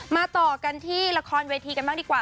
ต่อกันที่ละครเวทีกันบ้างดีกว่า